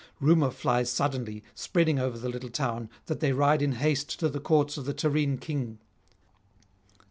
Rumour flies suddenly, spreading over the little town, that they ride in haste to the courts of the Tyrrhene king.